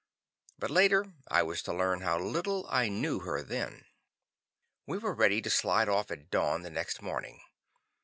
But later I was to learn how little I knew her then. We were ready to slide off at dawn the next morning.